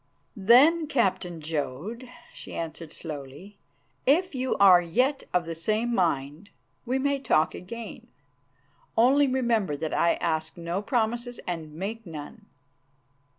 "Then, Captain Jodd," she answered slowly, "if you are yet of the same mind we may talk again. Only remember that I ask no promises and make none."